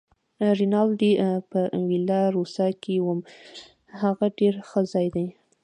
رینالډي: په ویلا روسا کې وم، هغه ډېر ښه ځای دی.